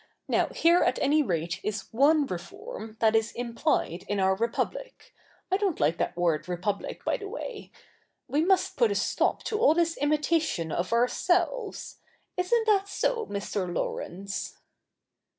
Now, here at any rate is one reform that is implied in our Republic ;— I don't like that word Republic, by the way — we must put a stop to all this imitation of ourselves. Isn't that so, Mr. Laurence